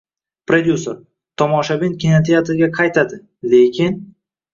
Prodyuser: Tomoshabin kinoteatrga qaytadi, lekin